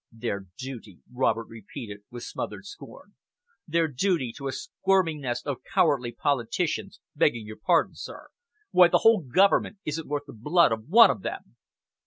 "Their duty!" Robert repeated, with smothered scorn. "Their duty to a squirming nest of cowardly politicians begging your pardon, sir. Why, the whole Government isn't worth the blood of one of them!"